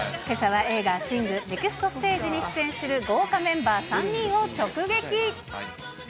けさは映画、シングネクストステージに出演する豪華メンバー３人を直撃。